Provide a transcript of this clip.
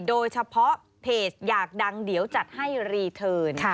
โดยเฉพาะเพจอยากดังเดี๋ยวจัดให้รีเทิร์น